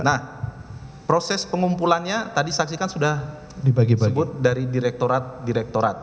nah proses pengumpulannya tadi saksi kan sudah disebut dari direkturat direktorat